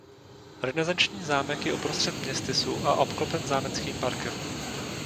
Renesanční zámek je uprostřed městysu a obklopen zámeckým parkem.